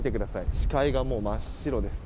視界がもう真っ白です。